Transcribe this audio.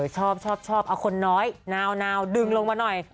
ชอบชอบเอาคนน้อยนาวดึงลงมาหน่อย